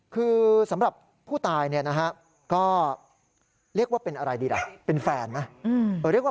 คือสำหรับผู้ตายนะครับก็เรียกว่าเป็นอะไรดีล่ะเป็นแฟนนะ